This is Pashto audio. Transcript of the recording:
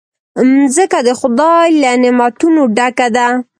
مځکه د خدای له نعمتونو ډکه ده.